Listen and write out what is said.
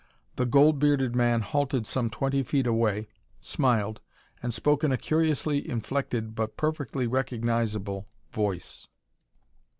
The gold bearded man halted some twenty feet away, smiled and spoke in a curiously inflected but perfectly recognizable voice.